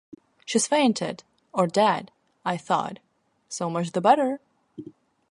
‘She’s fainted, or dead,’ I thought: ‘so much the better'.